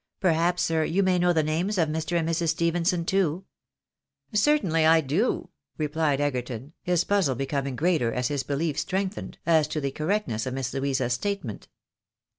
Perhaps, sir, you may know the names of Mr. and Mrs. Stephenson, too ?"" Certainly I do," repUed Egerton, his puzzle becoming greater as his beUef strengthened, as to the correctness of Miss Louisa's statement.